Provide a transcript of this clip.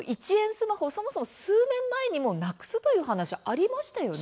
スマホ数年前にもなくすという話がありましたよね。